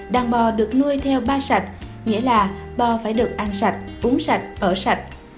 đàn bò được nuôi theo ba sạch nghĩa là bò phải được ăn sạch uống sạch ở sạch